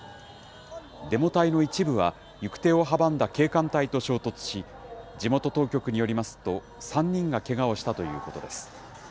デモ隊の一部は、行く手を阻んだ警官隊と衝突し、地元当局によりますと、３人がけがをしたということです。